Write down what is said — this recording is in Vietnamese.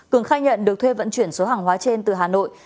cường khai nhận được thuê vận chuyển số hàng hóa trên từ hà nội